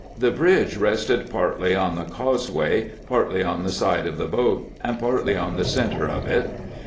The bridge rested partly on the causeway, partly on the side of the boat, and partly on the centre of it.